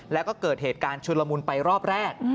แล้วก็เกิดเหตุการณ์ชุนละมุนไปรอบแรก